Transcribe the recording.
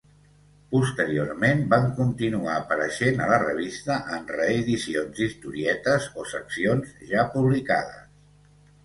Posteriorment van continuar apareixent a la revista en reedicions d'historietes o seccions ja publicades.